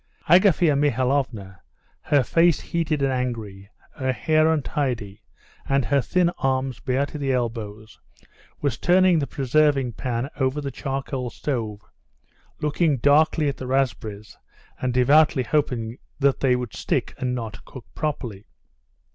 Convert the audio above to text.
Agafea Mihalovna, her face heated and angry, her hair untidy, and her thin arms bare to the elbows, was turning the preserving pan over the charcoal stove, looking darkly at the raspberries and devoutly hoping they would stick and not cook properly.